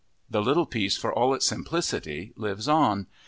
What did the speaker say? The little piece for all its simplicity lives on.